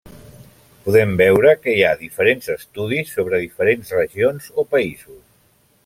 Podem veure que hi ha diferents estudis sobre diferents regions o països.